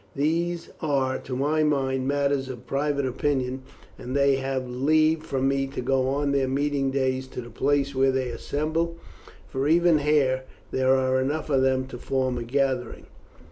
These are, to my mind, matters of private opinion, and they have leave from me to go on their meeting days to the place where they assemble, for even here there are enough of them to form a gathering.